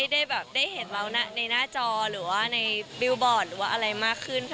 ได้แบบได้เห็นเราในหน้าจอหรือว่าในบิลบอร์ดหรือว่าอะไรมากขึ้น